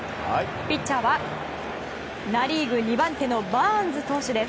ピッチャーはナ・リーグ２番手のバーンズ投手です。